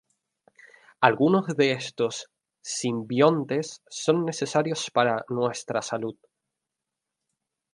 Algunos de estos simbiontes son necesarios para nuestra salud.